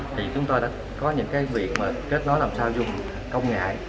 thì chúng ta đã có những cái việc mà kết nối làm sao dùng công ngại